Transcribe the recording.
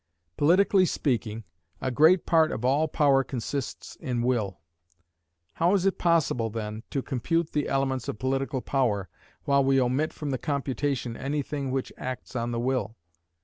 Politically speaking, a great part of all power consists in will. How is it possible, then, to compute the elements of political power, while we omit from the computation any thing which acts on the will?